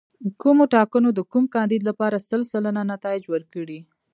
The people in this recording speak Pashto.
کومو ټاکنو د کوم کاندید لپاره سل سلنه نتایج ورکړي.